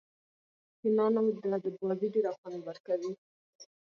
فېنانو ته بازي ډېره خوند ورکوي.